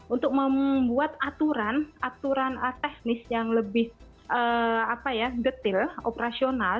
untuk membuat aturan aturan teknis yang lebih detail operasional